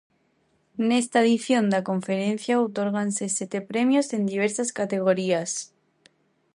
Nesta edición da Conferencia outorgaranse sete premios en diversas categorías.